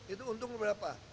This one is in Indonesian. itu untung berapa